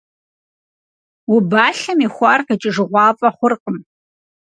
Убалъэм ихуар къикӀыжыгъуафӀэ хъуркъым.